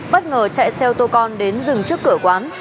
bất ngờ chạy xe ô tô con đến dừng trước cửa quán